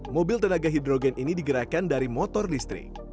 mobil tenaga hidrogen ini digerakkan dari motor listrik